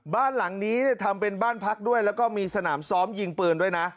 บ้านหลังนี้เนี่ยทำเป็นบ้านพักด้วยแล้วก็มีสนามซ้อมยิงปืนด้วยนะ